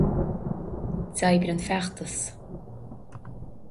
D'oibrigh an feachtas.